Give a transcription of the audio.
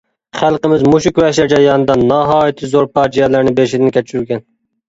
خەلقىمىز مۇشۇ كۈرەشلەر جەريانىدا ناھايىتى زور پاجىئەلەرنى بېشىدىن كەچۈرگەن.